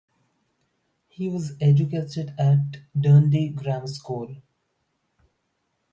He was educated at Dundee Grammar School.